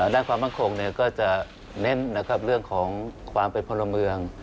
ด้านความมั่นคงก็จะเน้นนะครับเรื่องของความเป็นพลเมือง